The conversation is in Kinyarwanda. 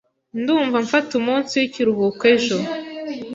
Ndumva mfata umunsi w'ikiruhuko ejo.